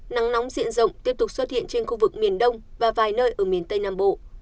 nắng nóng diện rộng tiếp tục xuất hiện trên khu vực miền đông và vài nơi ở miền tây nam bộ